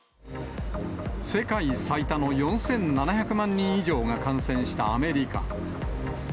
世界最多の４７００万人以上が感染したアメリカ。